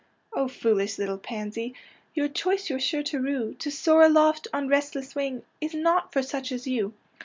'^ foolish little pansy, Your choice j^ou're sure to rue; To soar aloft, on restless wing, Is not for such as you."